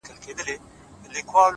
پرمختګ د ځان له ماتولو پیلېږي!